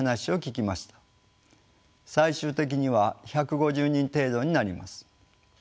最終的には１５０人程度になります。